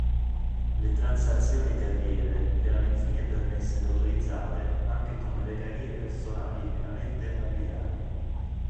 Le transazioni terriere erano infine permesse ed autorizzate anche come regalie personali pienamente arbitrarie.